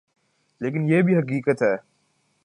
لیکن یہ بھی حقیقت ہے۔